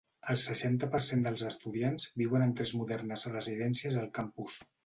El seixanta per cent dels estudiants viuen en tres modernes residències al campus.